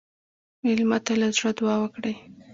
مېلمه ته له زړه دعا وکړئ.